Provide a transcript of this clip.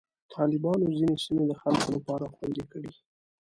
طالبانو ځینې سیمې د خلکو لپاره خوندي کړې.